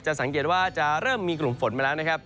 สังเกตว่าจะเริ่มมีกลุ่มฝนมาแล้วนะครับ